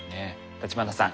立花さん